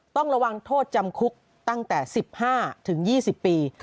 ต้องระวังโทษจำคุกตั้งแต่๑๕๒๐ปี